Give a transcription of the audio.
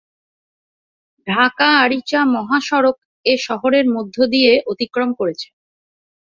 ঢাকা আরিচা মহাসড়ক এ শহরের মধ্যদিয়ে অতিক্রম করেছে।